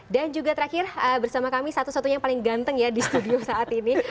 dan juga terakhir bersama kami satu satunya yang paling ganteng ya di studio saat ini